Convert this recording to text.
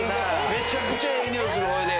めちゃくちゃええ匂いほいで。